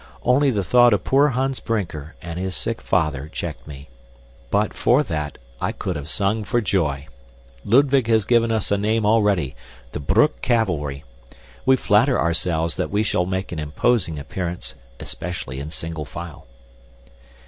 Only the thought of poor Hans Brinker and his sick father checked me, but for that I could have sung for joy. Ludwig has given us a name already the Broek Cavalry. We flatter ourselves that we shall make an imposing appearance, especially in single file...."